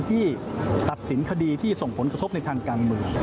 ที่ส่งผลกระทบในทางการมือ